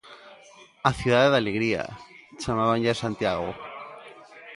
"A cidade da alegría", chamábanlle a Santiago.